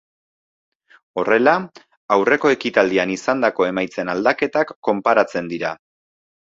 Horrela, aurreko ekitaldian izandako emaitzen aldaketak konparatzen dira.